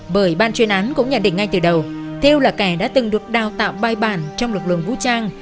bởi ban chuyên án cũng nhận định ngay từ đầu theo là kẻ đã từng được đào tạo bài bản trong lực lượng vũ trang